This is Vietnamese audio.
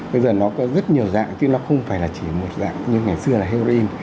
bây giờ nó có rất nhiều dạng chứ nó không phải là chỉ một dạng như ngày xưa là heroin